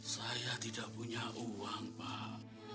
saya tidak punya uang pak